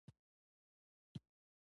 امتیازات یوازې حقونه نه وو.